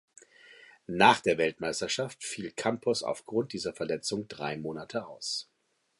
Nach der Weltmeisterschaft fiel Campos aufgrund dieser Verletzung drei Monate aus.